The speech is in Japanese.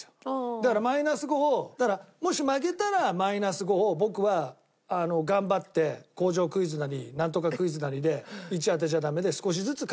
だからマイナス５をだからもし負けたらマイナス５を僕は頑張って工場クイズなりなんとかクイズなりで１位当てちゃダメで少しずつ返していくと。